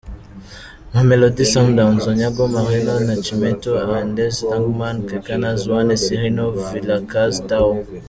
Mamelodi Sundowns: Onyango, Morena, Nacimento, Arendse, Langerman, Mabunda, Kekana, Zwane, Sirino, Vilakazi, Tau.